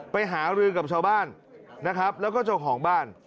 หารือกับชาวบ้านนะครับแล้วก็เจ้าของบ้าน